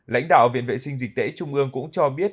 lãnh đạo viện vệ sinh dịch tễ trung ương cũng cho biết